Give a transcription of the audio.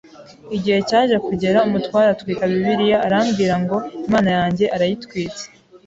igihe cyaje kugera umutware atwika bbiliya arambwira ngo Imana yanjye arayitwitse